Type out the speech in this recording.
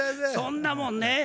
そんなもんね